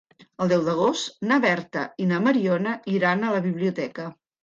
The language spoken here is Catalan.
El deu d'agost na Berta i na Mariona iran a la biblioteca.